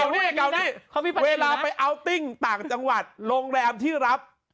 เวลาเวลาไปอาวติงต่างจังหวัดโรงแรมที่รับ